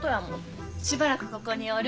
しばらくここにおる。